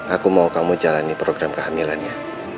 aku mau kamu jalani program kehamilannya